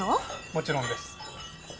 もちろんです。